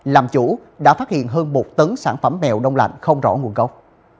làm chủ đã phát hiện hơn một tấn sản phẩm mẹo nông lạnh không rõ nguồn gốc